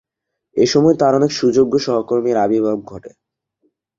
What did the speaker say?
এ সময়ে তার অনেক সুযোগ্য সহকর্মী আবির্ভাব ঘটে।